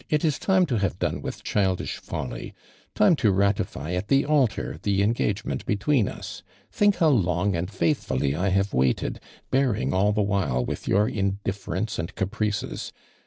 it is time to havo dona with cliildish folly — tin\e to nitit'y at the altar the engagement between us. Think how long and faithfully I have waited, bearing all the while with your indifference and oa l)rices.